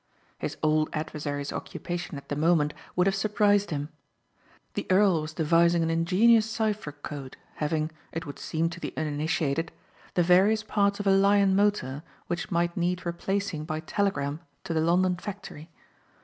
His old adversary's occupation at the moment would have surprised him. The earl was devising an ingenious cipher code having, it would seem to the uninitiated, the various parts of a Lion motor which might need replacing by telegram to the London factory.